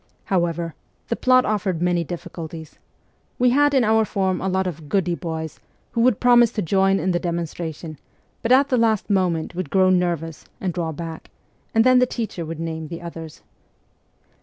However, the plot offered many difficulties. We had in our form a lot of ' goody ' boys who would promise to join in the demonstration, but at the last moment would grow nervous and draw back, and then the teacher would name the others.